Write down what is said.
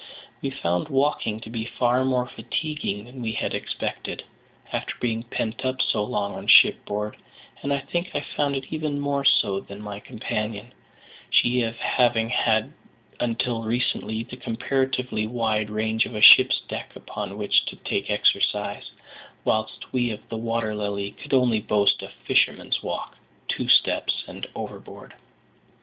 We found walking to be far more fatiguing than we had expected, after being pent up so long on shipboard, and I think I found it even more so than my companion, she having had until recently the comparatively wide range of a ship's deck upon which to take exercise; whilst we of the Water Lily could only boast of "a fisherman's walk, two steps, and overboard."